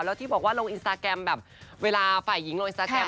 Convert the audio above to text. แล้วที่บอกว่าลงอินสตาแกรมแบบเวลาฝ่ายหญิงลงอินสตาแกรม